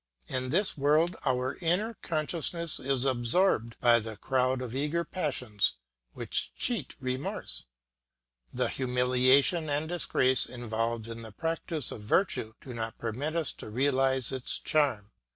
In this world our inner consciousness is absorbed by the crowd of eager passions which cheat remorse. The humiliation and disgrace involved in the practice of virtue do not permit us to realise its charm.